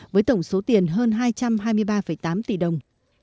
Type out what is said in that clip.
với tổng số tiền hơn hai trăm hai mươi ba tám tỷ đồng